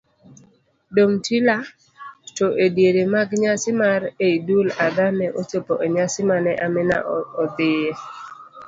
Domtila to ediere mag nyasi mar eidul Adhaa ne ochopo enyasi mane Amina odhiye.